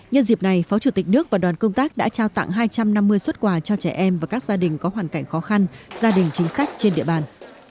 nhân dịp này phó chủ tịch nước và đoàn công tác đã trao tặng hai trăm năm mươi xuất quà cho trẻ em và các gia đình có hoàn cảnh khó khăn gia đình chính sách trên địa bàn